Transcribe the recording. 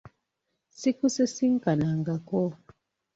Sikusisinkanangako.